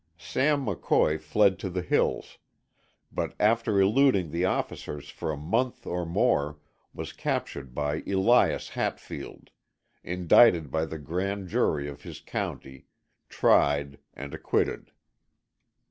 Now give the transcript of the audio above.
Sam McCoy fled to the hills, but after eluding the officers for a month or more was captured by Elias Hatfield, indicted by the grand jury of his county, tried and acquitted.